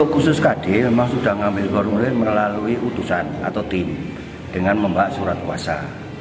khusus kd memang sudah mengambil formulir melalui utusan atau tim dengan membawa surat kuasa